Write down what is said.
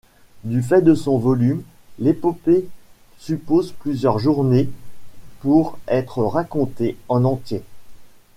Du fait de son volume, l'épopée suppose plusieurs journées pour être racontée en entier.